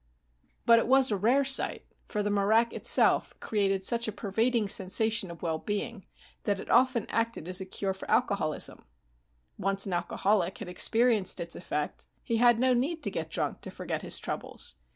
But it was a rare sight, for the marak itself created such a pervading sensation of well being that it often acted as a cure for alcoholism. Once an alcoholic had experienced its effect, he had no need to get drunk to forget his troubles.